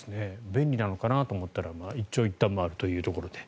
便利なのかなと思ったら一長一短もあるということで。